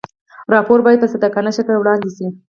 راپور باید په صادقانه شکل وړاندې شي.